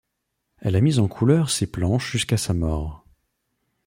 Elle a mis en couleur ses planches jusqu'à sa mort.